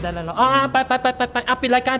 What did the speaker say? อ่าไปไปไปจะปิดรายการ